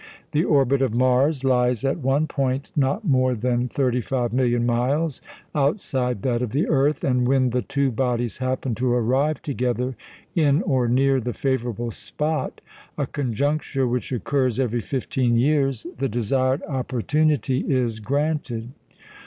The orbit of Mars lies at one point not more than thirty five million miles outside that of the earth, and when the two bodies happen to arrive together in or near the favourable spot a conjuncture which occurs every fifteen years the desired opportunity is granted.